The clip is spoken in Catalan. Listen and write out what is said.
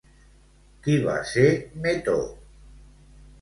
Qui va ser Metó?